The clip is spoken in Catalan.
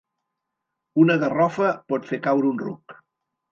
Una garrofa pot fer caure un ruc.